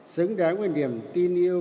xứng đáng với niềm tin yêu